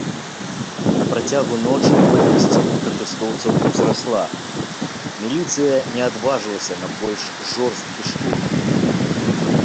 На працягу ночы колькасць пратэстоўцаў узрасла, міліцыя не адважылася на больш жорсткі штурм.